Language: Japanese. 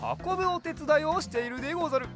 おてつだいをしているでござる。